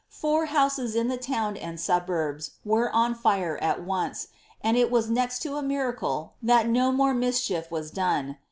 Four house* in the lowo and suburbs were on fire ai once, and it was nexi tn a mira cle tliat no raore misrhief was done.